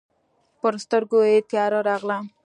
پر سترګو یې تياره راغله.